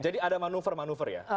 jadi ada manuver manuver ya